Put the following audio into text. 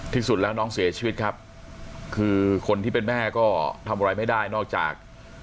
ที่สุดแล้วน้องเสียชีวิตครับคือคนที่เป็นแม่ก็ทำอะไรไม่ได้นอกจาก